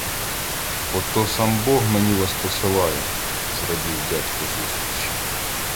— Ото сам Бог мені вас посилає! — зрадів дядько зустрічі.